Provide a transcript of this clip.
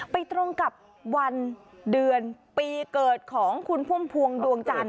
ตรงกับวันเดือนปีเกิดของคุณพุ่มพวงดวงจันท